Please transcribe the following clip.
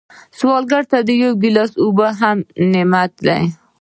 سوالګر ته یو ګیلاس اوبه هم نعمت دی